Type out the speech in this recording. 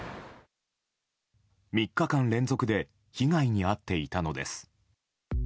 ３日連続で被害に遭っていたのです。